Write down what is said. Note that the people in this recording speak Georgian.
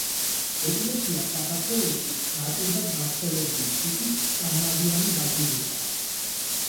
ეკლესია საქართველოში ნაკლებად გავრცელებული ტიპის სამნავიანი ბაზილიკაა.